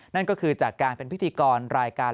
นั่นก็คือจากการเป็นพิธีกรรายการ